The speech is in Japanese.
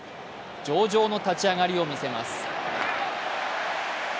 上々の立ち上がりを見せます。